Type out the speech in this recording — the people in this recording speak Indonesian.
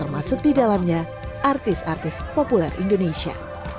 masuk di dalamnya artis artis populer indonesia